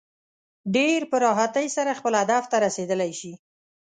ډېر په راحتۍ سره خپل هدف ته رسېدلی شي.